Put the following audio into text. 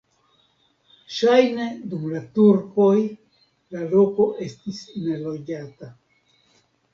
Ŝajne dum la turkoj la loko estis neloĝata.